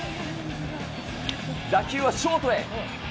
打球はショートへ。